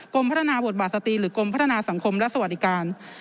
พัฒนาบทบาทสตรีหรือกรมพัฒนาสังคมและสวัสดิการ